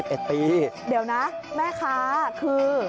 เดี๋ยวนะแม่ค้าคือ